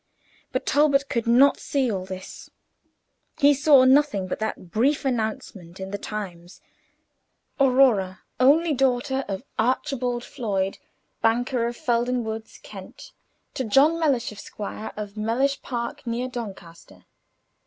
But Talbot could not see all this. He saw nothing but that brief announcement in the Times: "Aurora, only daughter of Archibald Floyd, Banker, of Felden Woods, Kent, to John Mellish, Esq., of Mellish Park, near Doncaster."